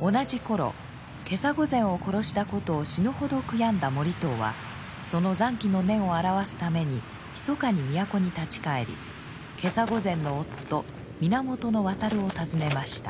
同じ頃袈裟御前を殺したことを死ぬほど悔やんだ盛遠はそのざんきの念を表すためにひそかに都に立ち返り袈裟御前の夫源渡を訪ねました。